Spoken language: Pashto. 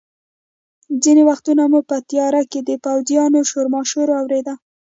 ځینې وختونه مو په تیاره کې د پوځیانو شورماشور اورېده.